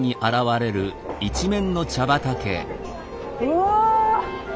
うわ！